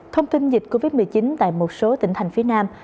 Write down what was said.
thông tin dịch covid một mươi chín tại một số tỉnh thành phía nam